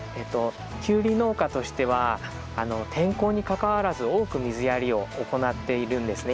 キュウリ農家としては天候にかかわらず多く水やりを行っているんですね。